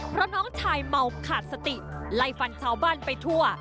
เพราะน้องชายเมาขาดสติไล่ฟันชาวบ้านไปทั่ว